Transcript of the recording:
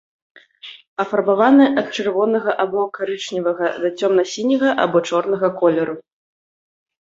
Афарбаваныя ад чырвонага або карычневага да цёмна-сіняга або чорнага колеру.